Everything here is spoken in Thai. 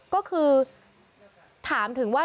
ก็คือถามถึงว่า